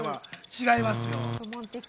違います。